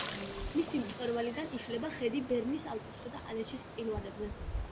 მისი მწვერვალიდან იშლება ხედი ბერნის ალპებსა და ალეჩის მყინვარზე.